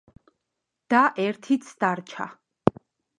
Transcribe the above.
და ერთიც დარჩა.